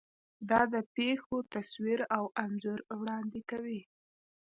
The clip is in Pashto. دا د پېښو تصویر او انځور وړاندې کوي.